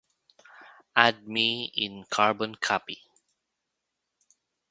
Add me in carbon copy